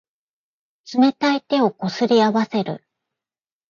冷たい手をこすり合わせる。